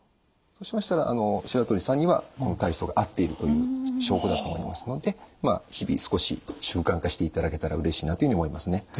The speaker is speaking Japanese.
そうしましたら白鳥さんにはこの体操が合っているという証拠だと思いますので日々少し習慣化していただけたらうれしいなというように思いますね。